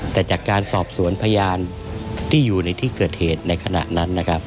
แต่จากการสอบสวนพยานที่อยู่ในที่เกิดเหตุในขณะนั้นนะครับ